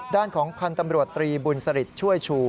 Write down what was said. ด้านของพันธ์ตำรวจตรีบุญสริตช่วยชู